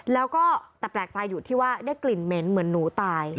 แล้วก็แต่แปลกใจอยู่ที่ว่าได้กลิ่นเหม็นเหมือนหนูตาย